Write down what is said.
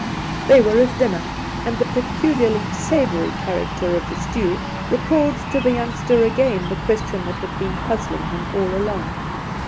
They were at dinner, and the peculiarly savoury character of the stew recalled to the youngster again the question that had been puzzling him all along.